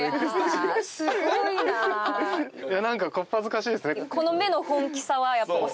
なんか小っ恥ずかしいですね。